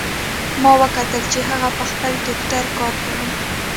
ما وکتل چې هغه په خپل ټکټر کار کوي